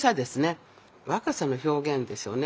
若さの表現ですよね。